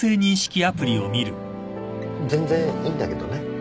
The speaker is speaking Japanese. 全然いいんだけどね。